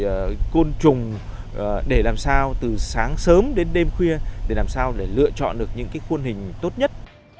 có những khuôn trùng để làm sao từ sáng sớm đến đêm khuya để làm sao để lựa chọn được những cái khuôn hình tốt nhất